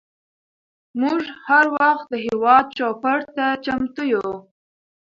موږ هر وخت د هیواد چوپړ ته چمتو یوو.